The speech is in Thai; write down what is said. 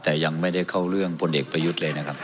แต่ยังไม่ได้เข้าเรื่องพลเอกประยุทธ์เลยนะครับ